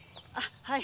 はい。